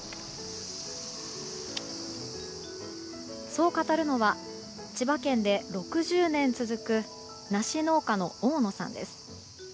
そう語るのは千葉県で６０年続く梨農家の大野さんです。